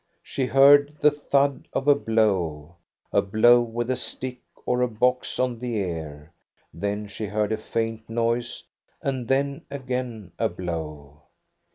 She heard the thud of a blow, a blow with a stick or a box on the ear ; then she heard a faint noise, and then again a blow.